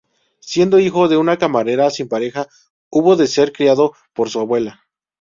Siendo hijo de una camarera sin pareja, hubo de ser criado por su abuela.